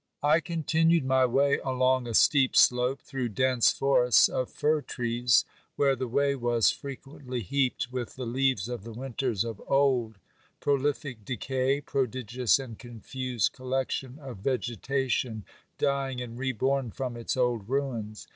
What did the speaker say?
I continued my way along a steep slope, through dense forests of fir trees, where the way was frequently heaped with the leaves of the winters of old — prolific decay, prodigious and confused collection of vegetation dying and reborn from its old ruins.